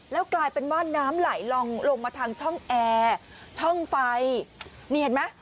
แล้วกลายเป็นว่าน้ำไหลลองลงมาทางช่องแอร์ช่องไฟนี่เห็นไหม